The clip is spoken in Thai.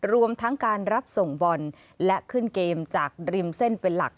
รวมทั้งการรับส่งบอลและขึ้นเกมจากริมเส้นเป็นหลัก